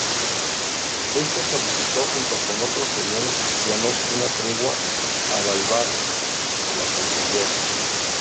Este solicitó, junto con otros señores cristianos, una tregua a Baibars, que la concedió.